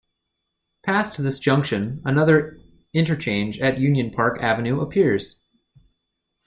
Past this junction, another interchange at Union Park Avenue appears.